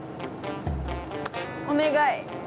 お願い。